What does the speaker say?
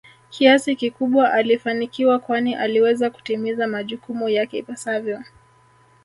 kiasi kikubwa alifanikiwa kwani aliweza kutimiza majukumu yake ipasavyo